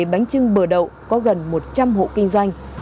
bánh trưng bờ đậu có gần một trăm linh hộ kinh doanh